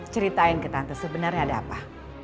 ceritain ke tante sebenarnya ada apa